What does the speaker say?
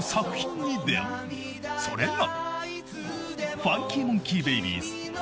［それが］